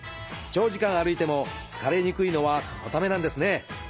長時間歩いても疲れにくいのはこのためなんですね。